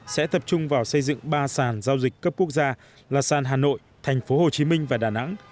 sẽ tập trung vào xây dựng ba sàn giao dịch cấp quốc gia là sàn hà nội thành phố hồ chí minh và đà nẵng